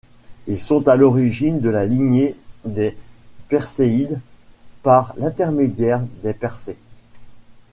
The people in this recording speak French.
Ils sont à l'origine de la lignée des Perséides par l'intermédiaire de Persès.